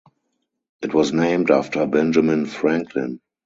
It was named after Benjamin Franklin.